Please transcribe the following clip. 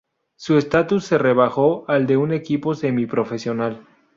Su estatus se rebajó al de un equipo semi-profesional.